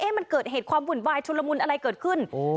เอ๊ะมันเกิดเหตุความหมุนวายชุดละมุนอะไรเกิดขึ้นโอ้